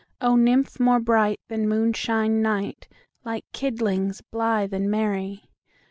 O nymph more bright Than moonshine night, Like kidlings blithe and merry!